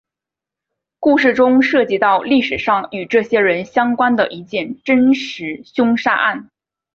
故事中涉及到历史上与这些人相关的一件真实凶杀案。